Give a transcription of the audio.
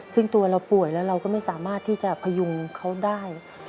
ซึ่งตัวเราป่วยแล้วเราก็ไม่สามารถที่จะพยุงเขาได้